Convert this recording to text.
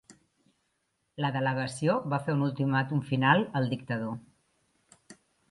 La delegació va fer un ultimàtum final al dictador.